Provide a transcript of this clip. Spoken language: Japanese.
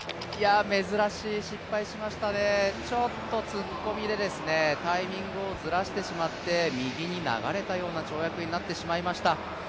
珍しい、失敗しましたね、ちょっと突っ込みでタイミングをずらしてしまって右に流れたような跳躍になってしまいました。